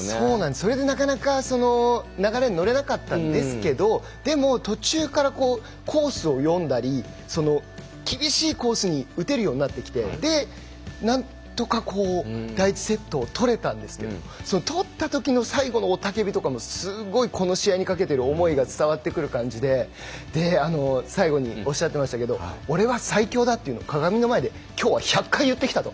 それで、なかなか流れに乗れなかったんですけどでも、途中からコースを読んだり厳しいコースに打てるようになってきてそれで何とか第１セットを取れたんですけど取ったときの最後の雄たびとかもすごい、この試合にかけている思いが伝わってくる感じで最後におっしゃっていましたけどおれは最強だというのを鏡の前できょうは１００回言ってきたと。